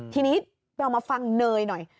ทีนี้ไปเอามาฟังเนยน่ะ